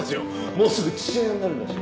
もうすぐ父親になるんだし。